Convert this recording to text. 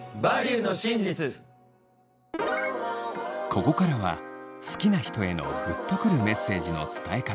ここからは好きな人へのグッとくるメッセージの伝え方。